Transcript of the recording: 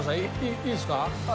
いいですか？